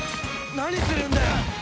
何するんだよ！